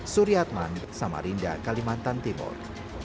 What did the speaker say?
surya atman samarinda kalimantan timur